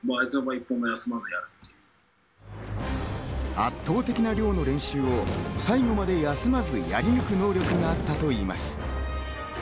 圧倒的な量の練習を最後まで休まず、やり抜く能力があったといいます。